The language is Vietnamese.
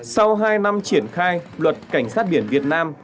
sau hai năm triển khai luật cảnh sát biển việt nam